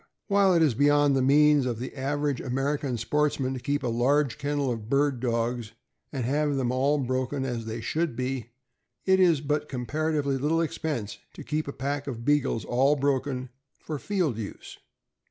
While it is beyond the means of the average American sportsman to keep a large kennel of bird dogs and have them all broken as they should be, it is but comparatively little expense to keep a pack of Beagles all broken for field use.